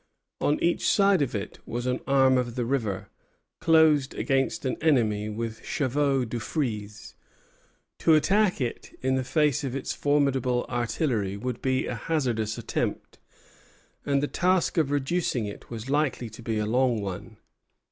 On each side of it was an arm of the river, closed against an enemy with chevaux de frise. To attack it in front in the face of its formidable artillery would be a hazardous attempt, and the task of reducing it was likely to be a long one.